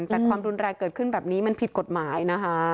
แต่ความรุนแรงเกิดขึ้นแบบนี้มันผิดกฎหมายนะคะ